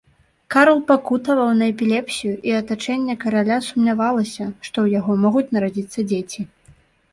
Карл пакутаваў на эпілепсію, і атачэнне караля сумнявалася, што ў яго могуць нарадзіцца дзеці.